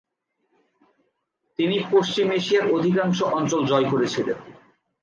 তিনি পশ্চিম এশিয়ার অধিকাংশ অঞ্চল জয় করেছিলেন।